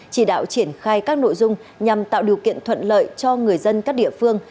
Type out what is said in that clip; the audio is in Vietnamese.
chỉ đạo triển khai các nội dung nhằm tạo điều kiện thuận lợi cho người dân các địa phương